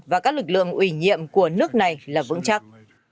và các lực lượng ủy nhiệm của nước này là vững chắc